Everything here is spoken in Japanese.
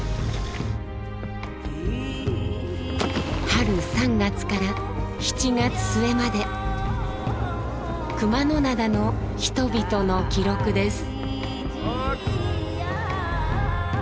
春３月から７月末まで熊野灘の人々の記録です。